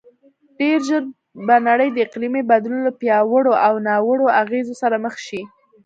ډېرژر به نړی د اقلیمې بدلون له پیاوړو او ناوړو اغیزو سره مخ شې